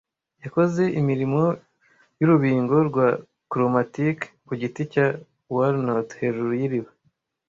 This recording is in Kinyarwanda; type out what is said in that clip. yakoze imirimo y'urubingo rwa chromatic ku giti cya walnut hejuru y'iriba,